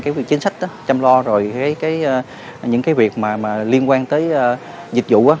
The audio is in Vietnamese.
cái việc chính sách chăm lo rồi những cái việc mà liên quan tới dịch vụ